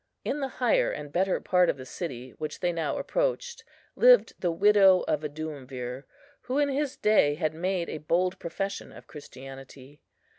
In the higher and better part of the city, which they now approached, lived the widow of a Duumvir, who in his day had made a bold profession of Christianity.